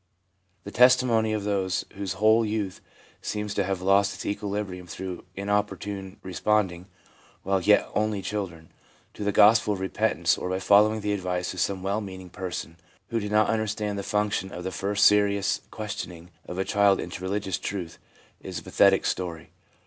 The testimony of those whose whole youth seems to have lost its equilibrium through inopportune respond ing, while yet only children, to the gospel of repentance, or by following the advice of some well meaning person who did not understand the function of the first serious questioning of a child into religious truth, is a pathetic story.